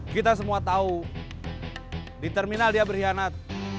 kita semua tau di terminal dia berhianat